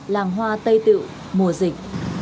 làng hoa tây tự mùa dịch